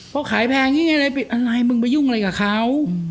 เพราะขายแพงอย่างนี้ไงผิดอะไรมึงไปยุ่งอะไรกับเขา